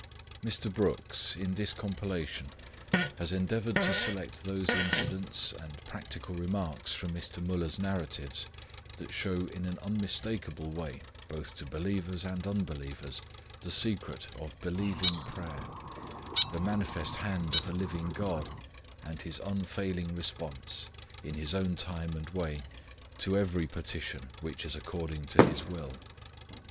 ] PREFACE Mr. Brooks, in this compilation, has endeavored to select those incidents and practical remarks from Mr. Müller's Narratives, that show in an unmistakeable way, both to believers and unbelievers, the secret of believing prayer, the manifest hand of a living God, and His unfailing response, in His own time and way, to every petition which is according to His will.